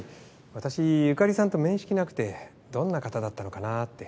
私由香里さんと面識なくてどんな方だったのかなぁって。